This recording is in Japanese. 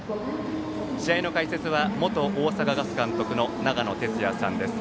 試合の解説は元大阪ガス監督の長野哲也さんです。